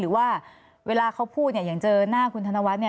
หรือว่าเวลาเขาพูดอย่างเจอหน้าคุณธนวัฒน์